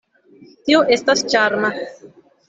Tio estas ĉarma.